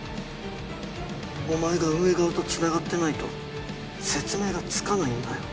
お前が運営側と繋がってないと説明がつかないんだよ。